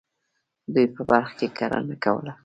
دوی په بلخ کې کرنه کوله.